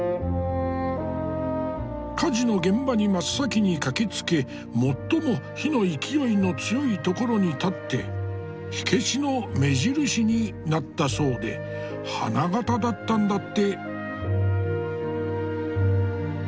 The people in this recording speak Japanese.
火事の現場に真っ先に駆けつけ最も火の勢いの強いところに立って火消しの目印になったそうで花形だったんだって。